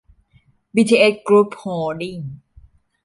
บีทีเอส กรุ๊ป โฮลดิ้งส์